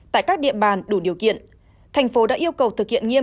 tại các địa bàn đủ điều kiện thành phố đã yêu cầu thực hiện nghiêm